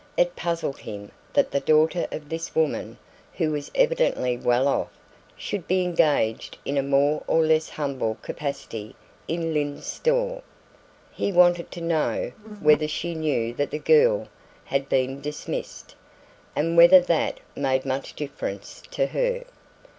It puzzled him that the daughter of this woman, who was evidently well off, should be engaged in a more or less humble capacity in Lyne's Store. He wanted to know whether she knew that the girl had been dismissed, and whether that made much difference to her.